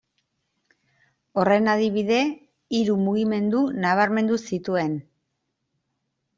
Horren adibide, hiru mugimendu nabarmendu zituen.